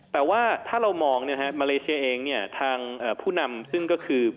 แต่ว่าถ้าเรามองมาเลเซียเองเนี่ยทางผู้นำซึ่งก็คือ